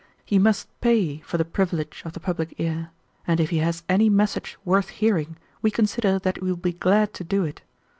He must pay for the privilege of the public ear, and if he has any message worth hearing we consider that he will be glad to do it.